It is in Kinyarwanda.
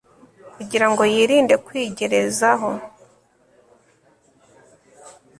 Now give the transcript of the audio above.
kugirango yirinde kwigerezaho